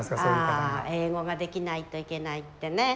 あ英語ができないといけないってね。